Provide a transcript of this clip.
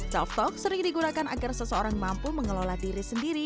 soft talk sering digunakan agar seseorang mampu mengelola diri sendiri